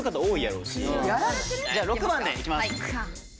じゃあ６番でいきます。